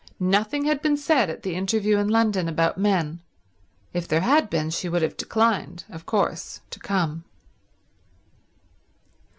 Nothing had been said at the interview in London about men; if there had been she would have declined, of course to come.